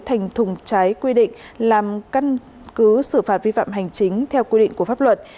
thành thùng trái quy định làm căn cứ xử phạt vi phạm hành chính theo quy định của pháp luật